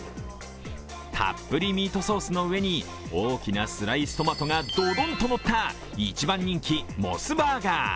たっぷりミートソースの上に大きなスライストマトがどどんと乗った一番人気、モスバーガー。